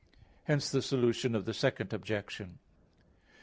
Hence the solution of the Second Objection.